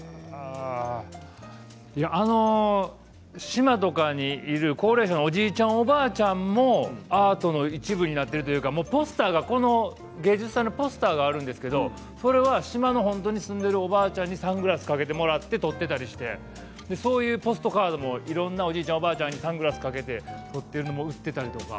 島とかにいる高齢者のおじいちゃん、おばあちゃんもアートの一部になっているというかポスターが芸術祭のポスターがあるんですけれどそれは島の、本当に住んでいるおばあちゃんにサングラスを掛けてもらって撮っていたりしてそういうポストカードもいろんなおじいちゃんおばあちゃんにサングラスを掛けて売っていたりとか。